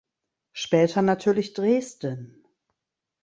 Später natürlich Dresden.